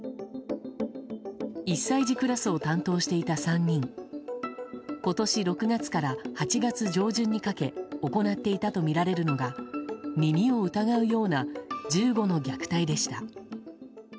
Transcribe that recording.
１歳児クラスを担当していた３人今年６月から８月上旬にかけ行っていたとみられるのが耳を疑うような１５の虐待でした。